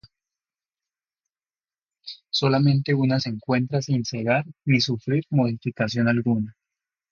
Solamente una se encuentra sin cegar ni sufrir modificación alguna.